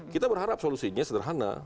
kita berharap solusinya sederhana